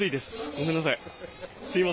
ごめんなさい。